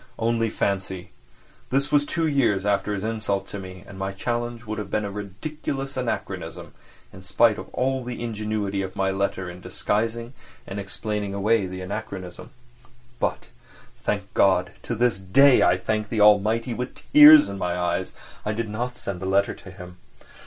Only fancy, this was two years after his insult to me, and my challenge would have been a ridiculous anachronism, in spite of all the ingenuity of my letter in disguising and explaining away the anachronism. But, thank God (to this day I thank the Almighty with tears in my eyes) I did not send the letter to him.